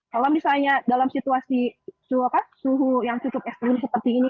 kalau misalnya dalam situasi suhu yang cukup ekstrim seperti ini